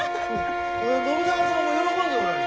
信長様も喜んでおられる。